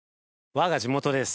◆我が地元です。